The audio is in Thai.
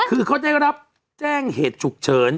คือเขาได้รับแจ้งเหตุฉุกเฉิน